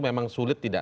memang sulit tidak